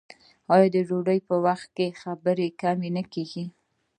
آیا د ډوډۍ په وخت کې خبرې کمې نه کیږي؟